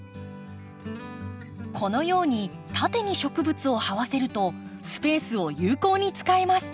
このように縦に植物を這わせるとスペースを有効に使えます。